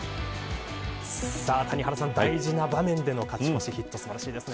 谷原さん、大事な場面での勝ち越しヒット素晴らしいですね。